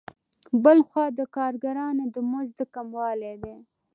بل خوا د کارګرانو د مزد کموالی دی